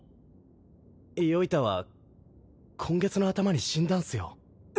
宵太は今月の頭に死んだんすよ。